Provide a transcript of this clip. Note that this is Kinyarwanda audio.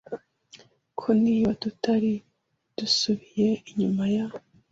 ko niba tutari dusubiye inyuma ya